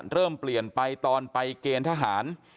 เริ่มเปลี่ยนไปตอนไปเกณฑ์ทหาร